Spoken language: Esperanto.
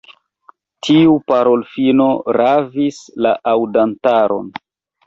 Tiu parolfino ravis la aŭdantaron.